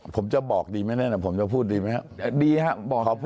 ผมจะบอกดีไหมเนี้ยนะผมจะพูดดีไหมครับ